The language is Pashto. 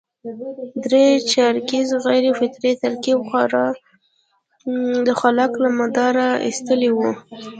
درې چارکیز غیر فطري ترکیب خواړه د خوراک له مداره اېستلي وو.